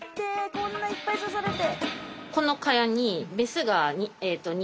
こんないっぱい刺されて。